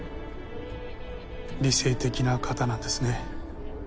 理性的な方なんですね。